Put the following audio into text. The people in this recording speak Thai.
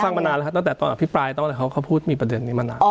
ผมฟังมานานละคะตั้งแต่ตอนอภิพรายตอนแหละเขาพูดมีประเด็นนี้มานาน